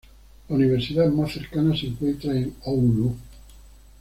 La universidad más cercana se encuentra en Oulu.